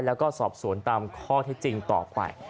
แล้วก็สอบสวนตามข้อที่จริงต่อไป